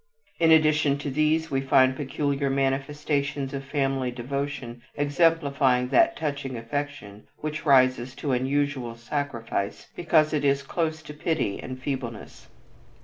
In addition to these we find peculiar manifestations of family devotion exemplifying that touching affection which rises to unusual sacrifice because it is close to pity and feebleness.